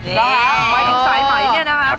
เฮ้ยสายไหมเนี่ยนะครับ